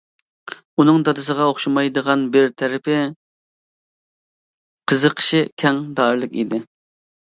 ئۇنىڭ دادىسىغا ئوخشىمايدىغان بىر تەرىپى، قىزىقىشى كەڭ دائىرىلىك ئىدى.